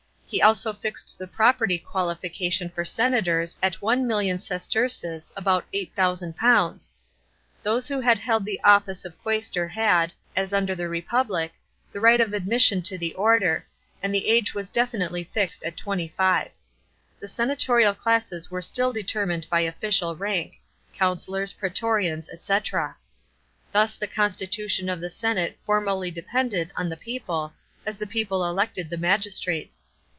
He also fixed the property qualification for senators at 1,000,000 sesterces (about £8,000). Those who hud held the office of quaestor had, as under the Republic, the right of admission 1o the order, and the age was definitely fixed at twenty five. The semtorial classes were still determined by official rank (consulate, praetorians, &c.). Thus the constitution of the senate formally depended on the people, as the people elected the magistrates.